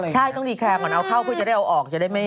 ก็ต้องทำประกันไว้ที่